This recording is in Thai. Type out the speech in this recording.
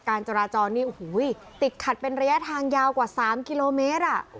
การจราจรนี่โอ้โหติดขัดเป็นระยะทางยาวกว่า๓กิโลเมตร